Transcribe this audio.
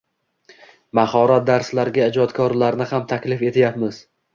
Mahorat darslariga ijodkorlarni ham taklif etyapmiz.